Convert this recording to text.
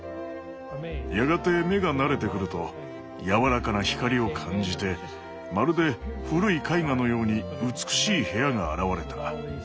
やがて目が慣れてくると柔らかな光を感じてまるで古い絵画のように美しい部屋が現れた。